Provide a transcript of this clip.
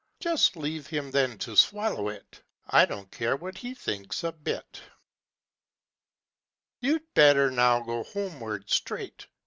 Just leave him then to swallow it; I don't care what he thinks a bit; "You'd better now go homeward straight!